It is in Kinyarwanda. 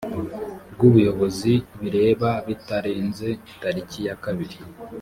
rw ubuyobozi bireba bitarenze tariki ya kabiri